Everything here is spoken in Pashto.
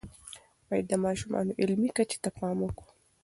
باید د ماشومانو علمی کچې ته پام وکړو.